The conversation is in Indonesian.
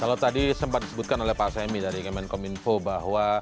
kalau tadi sempat disebutkan oleh pak semi dari kemenkominfo bahwa